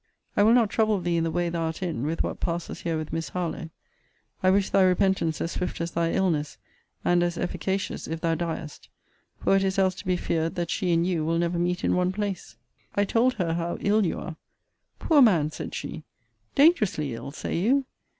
I will not trouble thee in the way thou art in, with what passes here with Miss Harlowe. I wish thy repentance as swift as thy illness; and as efficacious, if thou diest; for it is else to be feared, that she and you will never meet in one place. I told her how ill you are. Poor man! said she. Dangerously ill, say you?